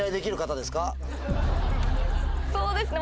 そうですね